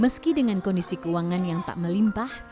meski dengan kondisi keuangan yang tak melimpah